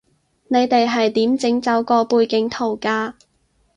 你哋係點整走個背景圖㗎